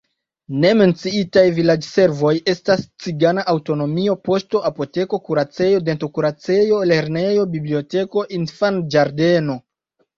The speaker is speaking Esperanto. Ne menciitaj vilaĝservoj estas cigana aŭtonomio, poŝto, apoteko, kuracejo, dentokuracejo, lernejo, biblioteko, infanĝardeno.